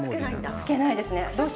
漬けないですね。